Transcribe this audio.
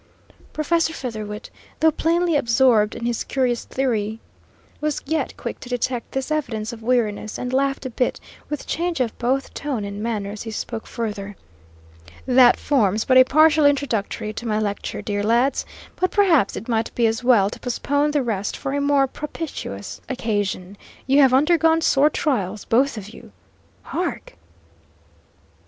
Professor Featherwit, though plainly absorbed in his curious theory, was yet quick to detect this evidence of weariness, and laughed a bit, with change of both tone and manner, as he spoke further: "That forms but a partial introductory to my lecture, dear lads, but perhaps it might be as well to postpone the rest for a more propitious occasion. You have undergone sore trials, both of Hark!"